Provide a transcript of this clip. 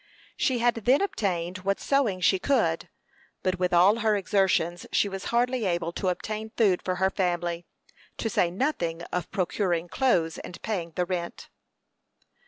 She had then obtained what sewing she could; but with all her exertions she was hardly able to obtain food for her family, to say nothing of procuring clothes, and paying the rent.